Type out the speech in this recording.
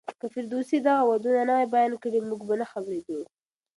که فردوسي دغه ودونه نه وای بيان کړي، موږ به نه خبرېدو.